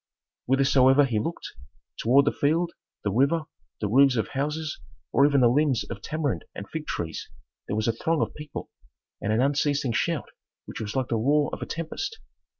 Whithersoever he looked: toward the field, the river, the roofs of houses, or even the limbs of tamarind and fig trees there was a throng of people, and an unceasing shout which was like the roar of a tempest.